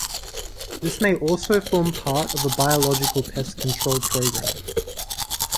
This may also form part of a biological pest control program.